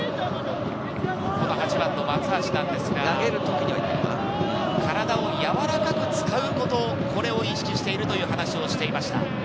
８番の松橋なんですが、体をやわらかく使うこと、これを意識しているという話をしていました。